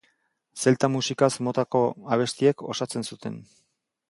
Zelta musikaz motako abestiek osatzen zuten.